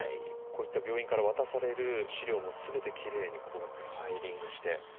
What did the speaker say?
こういった病院から渡される資料も全てきれいにこうやってファイリングして。